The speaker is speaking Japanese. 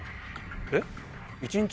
えっ？